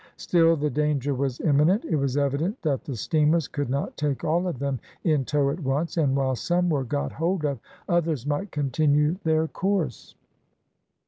Still the danger was imminent. It was evident that the steamers could not take all of them in tow at once, and while some were got hold of, others might continue their course.